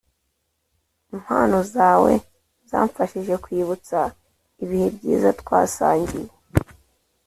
impano zawe zamfashije kwibutsa ibihe byiza twasangiye,